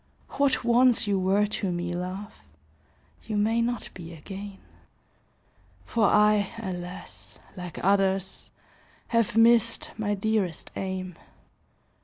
What once you were to me, love, You may not be again. For I, alas! like others, Have missed my dearest aim.